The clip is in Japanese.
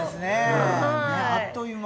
あっという間。